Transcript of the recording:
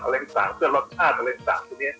อะไรต่างกันเพื่อนรสชาติ